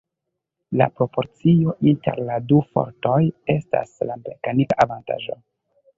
La proporcio inter la du fortoj estas la mekanika avantaĝo.